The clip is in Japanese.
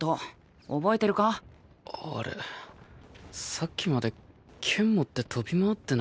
さっきまで剣持って飛び回ってなかったか？